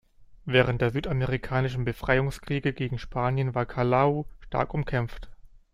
Während der südamerikanischen Befreiungskriege gegen Spanien war Callao stark umkämpft.